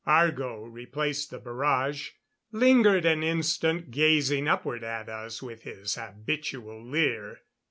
Argo replaced the barrage, lingered an instant, gazing upward at us with his habitual leer.